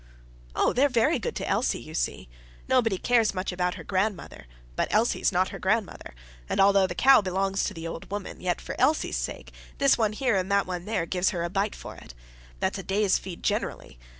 "Oh! they're very good to Elsie, you see. Nobody cares much about her grandmother; but Elsie's not her grandmother, and although the cow belongs to the old woman, yet for Elsie's sake, this one here and that one there gives her a bite for it that's a day's feed generally.